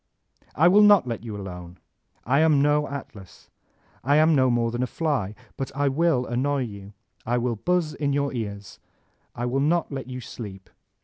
'' *1 will not let you alone. I am no Atlas. I am no more than a fly; but I will annoy jrou, I will buxs in your cars; I will not let you sleep.